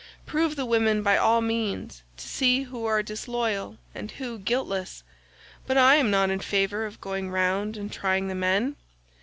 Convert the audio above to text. Prove the women by all means, to see who are disloyal and who guiltless, but I am not in favour of going round and trying the men.